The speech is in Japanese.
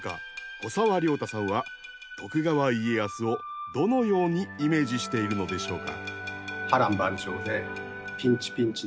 古沢良太さんは徳川家康をどのようにイメージしているのでしょうか？